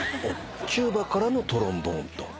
チューバからのトロンボーンと？